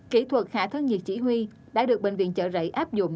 kỹ thuật hạ thân nhiệt chỉ huy đã được bệnh viện chợ rẫy áp dụng